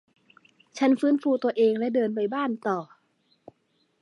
ฉันฟื้นฟูตัวเองและเดินไปบ้านต่อ